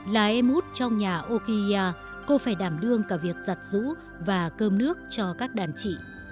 là em út trong nhà okiya cô phải đảm đương cả việc giặt rũ và cơm nước cho các đàn trị